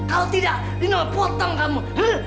kalau tidak ini potong kamu